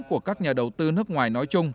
của các nhà đầu tư nước ngoài nói chung